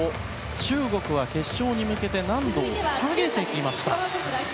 中国は決勝に向けて難度を下げてきました。